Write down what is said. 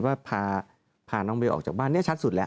ว่าพาน้องเบลออกจากบ้านเนี่ยชัดสุดแล้ว